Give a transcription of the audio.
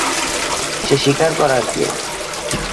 সে স্বীকার করার কে?